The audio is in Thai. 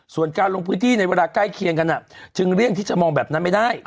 ส่วนการลงพื้นที่ในเวลาใกล้เคียงกันจึงเลี่ยงที่จะมองแบบนั้นไม่ได้